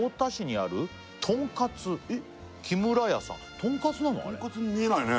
あれとんかつに見えないね